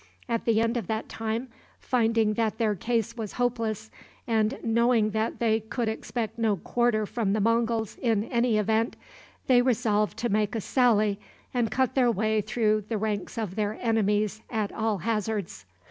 At the end of that time, finding that their case was hopeless, and knowing that they could expect no quarter from the Monguls in any event, they resolved to make a sally and cut their way through the ranks of their enemies at all hazards.